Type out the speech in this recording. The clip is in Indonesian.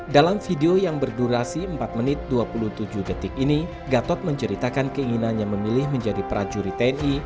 dalam video yang berdurasi empat menit dua puluh tujuh detik ini gatot menceritakan keinginannya memilih menjadi prajurit tni